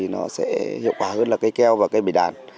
nó sẽ hiệu quả hơn là cây keo và cây bưởi đàn